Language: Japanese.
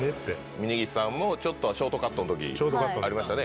峯岸さんも、ちょっとショートカットのときありましたね。